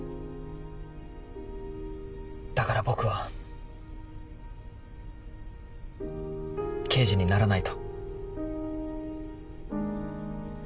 だから僕は刑事にならないと。